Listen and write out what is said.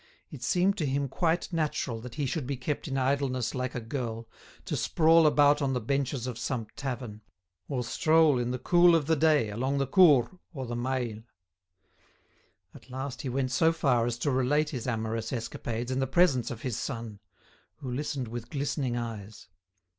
It seemed to him quite natural that he should be kept in idleness like a girl, to sprawl about on the benches of some tavern, or stroll in the cool of the day along the Cours or the Mail. At last he went so far as to relate his amorous escapades in the presence of his son, who listened with glistening eyes.